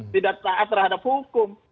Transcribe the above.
tidak saat terhadap hukum